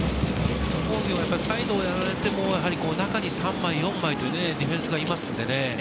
サイドをやられても、中に３枚、４枚とね、ディフェンスがいますのでね。